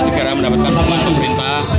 segera mendapatkan pemerintah